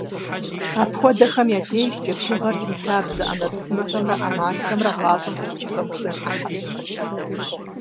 Апхуэдэхэм я дежкӀэ бжыгъэр зи лъабжьэ Ӏэмэпсымэхэмрэ Ӏэмалхэмрэ гъащӀэм къыпхухэмыхын Ӏыхьэщ.